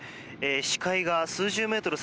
視界が数十メートル